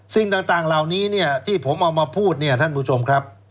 สิ่งต่างเหล่านี้ที่ผมเอามาพูดท่านผู้ชมครับ